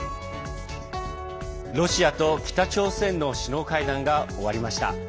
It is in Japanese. ロシアと北朝鮮の首脳会談が終わりました。